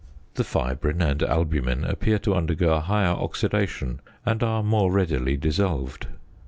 The fibrin and albumen appear to undergo a higher oxidation and are more readily dissolved.